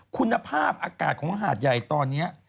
คุณภาพอากาศของหาดใหญ่ตอนนี้